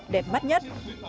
đẹp mắt nhất